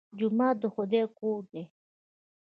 جومات د خدای کور دی